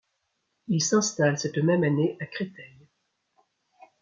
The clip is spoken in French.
Il s'installe cette même année à Créteil.